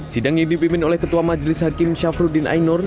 sidang yang dipimpin oleh ketua majelis hakim syafruddin ainur